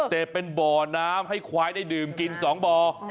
แต่เป็นบ่อน้ำให้ควายได้ดื่มกิน๒บ่อ